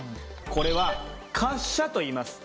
これは「滑車」といいます。